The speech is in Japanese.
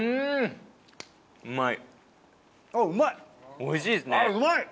おいしいですね。